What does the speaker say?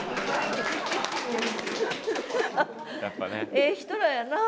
ええ人らやなあ。